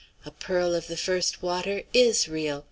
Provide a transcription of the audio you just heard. A pearl of the first water is real.